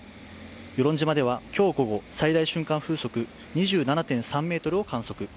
与論島では今日午後、最大瞬間風速２７．３メートルを観測。